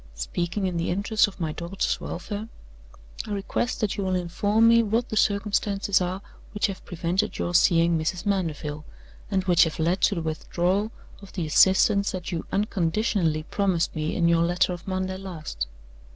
Speaking in the interest of my daughter's welfare, I request that you will inform me what the circumstances are which have prevented your seeing Mrs. Mandeville, and which have led to the withdrawal of the assistance that you unconditionally promised me in your letter of Monday last.